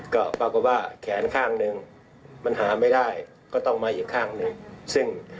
ก็ปรากฏว่าแขนข้างหนึ่งมันหาไม่ได้ก็ต้องมาอีกข้างหนึ่งซึ่ง